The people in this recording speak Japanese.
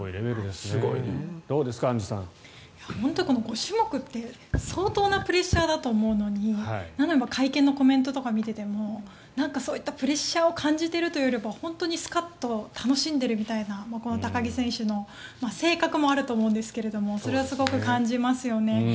この５種目って相当なプレッシャーだと思うのになのに会見のコメントとか見ててもそういったプレッシャーを感じているというよりも本当にスカッと楽しんでるみたいなこの高木選手の性格もあると思うんですけれどそれをすごく感じますよね。